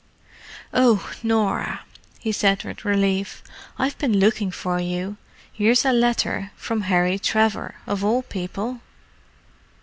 "Oh—Norah," he said with relief. "I've been looking for you. Here's a letter from Harry Trevor, of all people!"